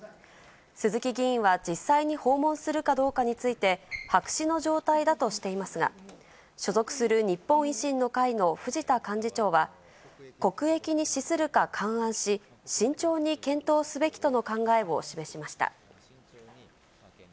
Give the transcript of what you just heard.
鈴木議員は実際に訪問するかどうかについて、白紙の状態だとしていますが、所属する日本維新の会の藤田幹事長は、国益に資するか勘案し、慎重に検討すべきとの考えを示しました。